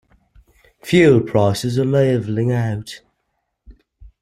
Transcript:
Fuel prices are leveling out.